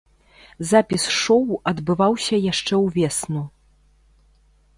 Запіс шоу адбываўся яшчэ ўвесну.